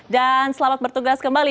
dan selamat bertugas kembali